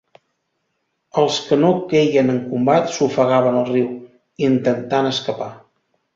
Els que no queien en combat, s'ofegaven al riu, intentant escapar.